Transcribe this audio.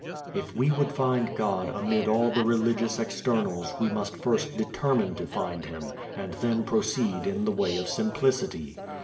If we would find God amid all the religious externals we must first determine to find Him, and then proceed in the way of simplicity.